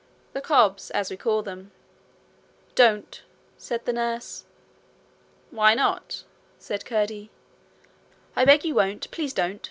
'The cobs, as we call them.' 'Don't!' said the nurse. 'Why not?' said Curdie. 'I beg you won't. Please don't.'